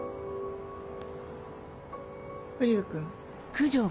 瓜生君。